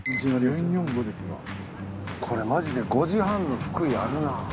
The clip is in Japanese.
これマジで５時半の福井あるな。